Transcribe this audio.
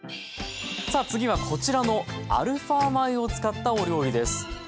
さあ次はこちらのアルファ米を使ったお料理です。